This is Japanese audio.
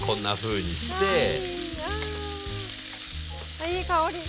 あっいい香り！